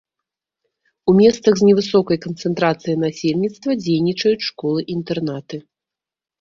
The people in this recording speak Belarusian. У месцах з невысокай канцэнтрацыяй насельніцтва дзейнічаюць школы-інтэрнаты.